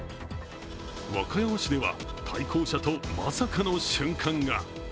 和歌山市では、対向車とまさかの瞬間が。